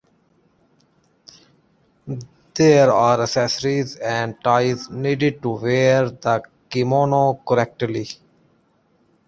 There are accessories and ties needed to wear the kimono correctly.